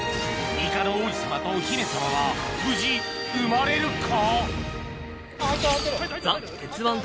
イカの王子様とお姫様は無事生まれるか？